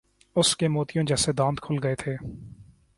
اس کے موتیوں جیسے دانت کھل گئے تھے۔